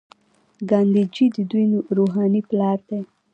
ګاندي جی د دوی روحاني پلار دی.